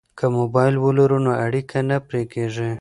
که موبایل ولرو نو اړیکه نه پرې کیږي.